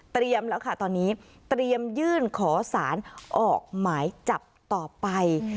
แล้วค่ะตอนนี้เตรียมยื่นขอสารออกหมายจับต่อไป